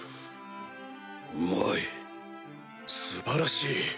うまい。素晴らしい！